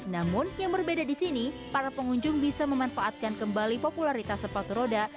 namun yang berbeda di sini para pengunjung bisa memanfaatkan kembali popularitas sepatu roda